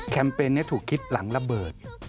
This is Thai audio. เปญนี้ถูกคิดหลังระเบิด